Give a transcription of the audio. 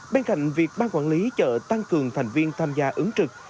bên cạnh việc ban quản lý chợ tăng cường thành viên tham gia ứng trực